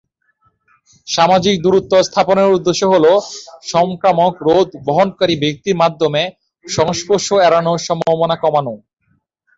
সামাজিক দূরত্ব স্থাপনের উদ্দেশ্য হল সংক্রামক রোগ বহনকারী ব্যক্তির মাধ্যমে সংস্পর্শ এড়ানোর সম্ভাবনা কমানো।